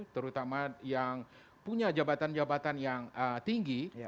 terutama yang punya jabatan jabatan yang tinggi